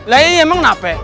lah ini emang napa